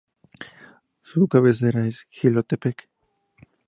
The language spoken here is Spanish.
Su cabecera es Jilotepec.